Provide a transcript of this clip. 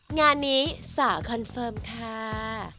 งานนี้สาวคอนเฟิร์มค่ะ